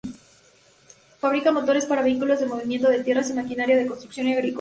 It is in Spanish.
Fabrica motores para vehículos de movimiento de tierras y maquinaria de construcción y agrícola.